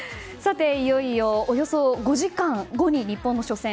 いよいよ、およそ５時間後に日本の初戦。